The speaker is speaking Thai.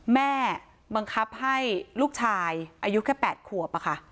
แม่บังคับให้ลูกชายอายุแค่๘ขวบ